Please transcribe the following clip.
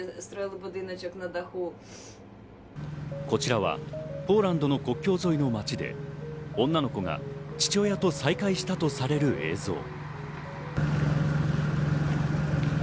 こちらはポーランドの国境沿いの街で女の子が父親と再会したとされる映像。